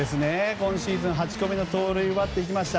今シーズン８個目の盗塁を奪っていきました。